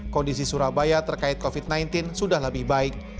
kondisi surabaya terkait covid sembilan belas sudah lebih baik